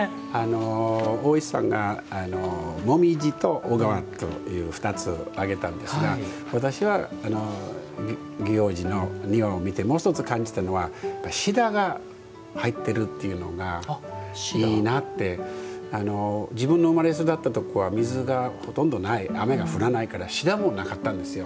大石さんが、もみじと小川という２つ挙げたんですが私は祇王寺の庭を見てもう一つ感じたのはしだが入ってるというのがいいなって。自分の生まれ育ったところは水がほとんどない雨が降らないからしだもなかったんですよ。